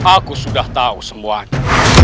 aku sudah tahu semuanya